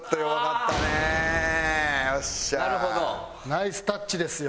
ナイスタッチですよ。